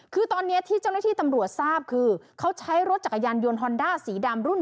คือตอนนี้ที่เจ้าหน้าที่ตำรวจทราบคือเขาใช้รถจักรยานยนต์ฮอนด้าสีดำรุ่น